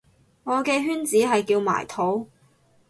我嘅圈子係叫埋土